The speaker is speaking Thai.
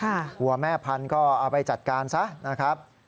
วัวแม่พันธุ์ก็เอาไปจัดการซะนะครับ